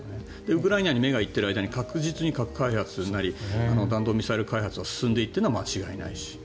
ウクライナに目が行っている間に確実に核開発なり弾道ミサイル開発が進んでいくのは間違いないし。